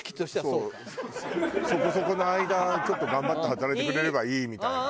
そこそこの間ちょっと頑張って働いてくれればいいみたいな。